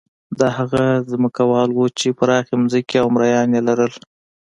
دا هغه ځمکوال وو چې پراخې ځمکې او مریان یې لرل.